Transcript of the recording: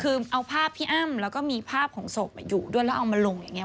คือเอาภาพพี่อ้ำแล้วก็มีภาพของศพอยู่ด้วยแล้วเอามาลงอย่างนี้